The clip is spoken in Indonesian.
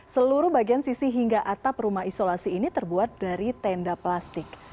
seluruh bagian sisi hingga atap rumah isolasi ini terbuat dari tenda plastik